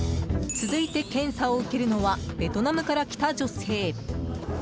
続いて検査を受けるのはベトナムから来た女性。